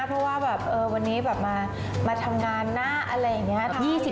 เพราะว่าแบบวันนี้แบบมาทำงานนะอะไรอย่างนี้